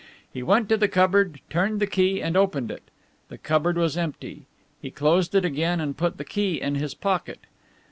He went to the cupboard, turned the key and opened it. The cupboard was empty. He closed it again and put the key in his pocket.